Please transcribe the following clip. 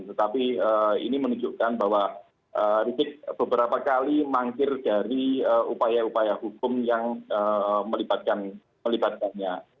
tetapi ini menunjukkan bahwa rizik beberapa kali mangkir dari upaya upaya hukum yang melibatkannya